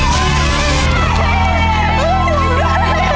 เย้